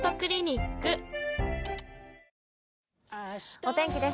お天気です。